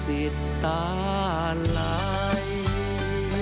๗๐ปีแห่งการทำพระราชกรณียกิจเยอะแยะมากมาย